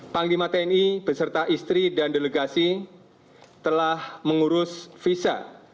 panglima tni beserta istri dan delegasi telah mengurus visa